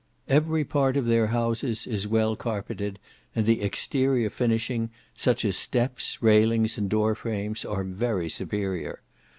Every part of their houses is well carpeted, and the exterior finishing, such as steps, railings, and door frames, are very superior.